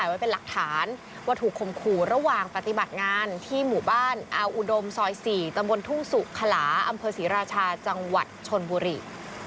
ไว้เป็นหลักฐานว่าถูกคมขู่ระหว่างปฏิบัติงานที่หมู่บ้านอาวอุดมซอย๔ตำบลทุ่งสุขลาอำเภอศรีราชาจังหวัดชนบุรี